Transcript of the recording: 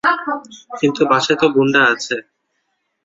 কিন্তু বাসায় তো গুন্ডা আছে।